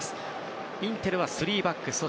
インテルは３バック。